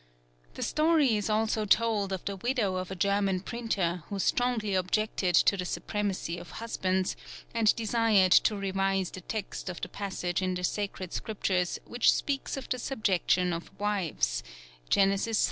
The story is also told of the widow of a German printer who strongly objected to the supremacy of husbands, and desired to revise the text of the passage in the Sacred Scriptures which speaks of the subjection of wives (Genesis iii.